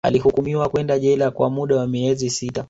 Alihukumiwa kwenda jela kwa muda wa miezi sita